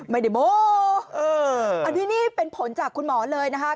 ไม่ได้โม้อันนี้เป็นผลจากคุณหมอเลยนะครับ